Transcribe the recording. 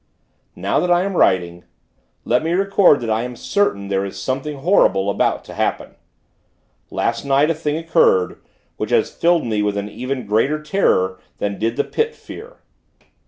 Now that I am writing, let me record that I am certain, there is something horrible about to happen. Last night, a thing occurred, which has filled me with an even greater terror, than did the Pit fear.